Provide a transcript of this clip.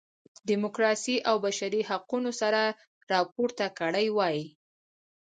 ډیموکراسۍ او بشري حقونو سر راپورته کړی وای.